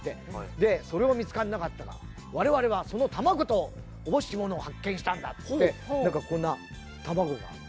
でそれは見つからなかったが我々はその卵とおぼしきものを発見したんだっつってなんかこんな卵があって。